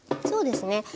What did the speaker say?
そうですね。